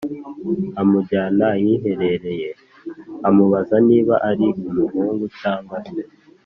amujyana ahiherereye, amubaza niba ari umuhungu, cyangwa se